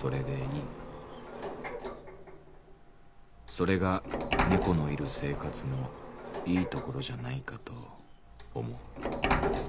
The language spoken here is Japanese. それがネコのいる生活のいいところじゃないかと思う」。